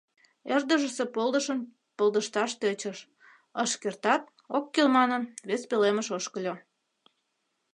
Ӧрдыжысӧ полдышым полдышташ тӧчыш, ыш кертат, ок кӱл манын, вес пӧлемыш ошкыльо.